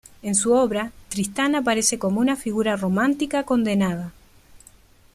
En su obra, Tristán aparece como una figura romántica condenada.